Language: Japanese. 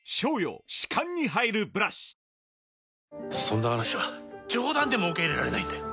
そんな話は冗談でも受け入れられないんだよ